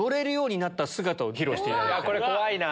これ怖いな。